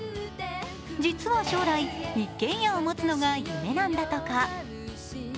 実は将来、一軒家を持つのが夢なんだとか。